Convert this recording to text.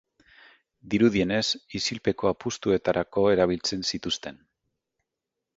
Dirudienez, isilpeko apustuetarako erabiltzen zituzten.